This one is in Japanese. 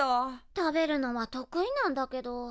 食べるのは得意なんだけど。